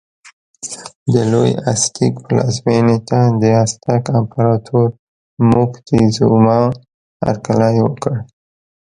د لوی ازتېک پلازمېنې ته د ازتک امپراتور موکتیزوما هرکلی وکړ.